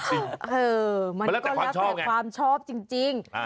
เออมันก็แล้วแต่ความชอบจริง